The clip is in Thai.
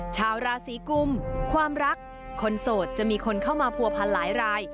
ชาวราศีกุมความรักคนโสดจะมีคนเข้ามาผัวพันหลายราย